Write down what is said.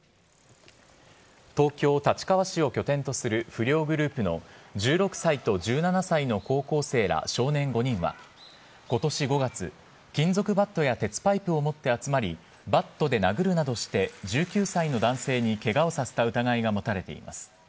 東京・立川市を拠点とする不良グループの１６歳と１７歳の高校生ら少年５人は、ことし５月、金属バットや鉄パイプを持って集まり、バットで殴るなどして１９歳の男性にけがをさせた疑いが持たれています。